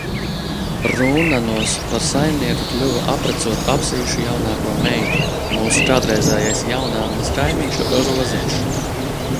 Rūnanos par saimnieku kļuva apprecot Apsīšu jaunāko meitu, mūsu kādreizējais Jaunannas kaimiņš Roziņš.